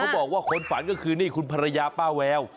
บอกว่าคนฝันก็คือนี่คุณภรรยาป้าแวว